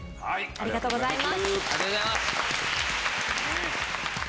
ありがとうございます！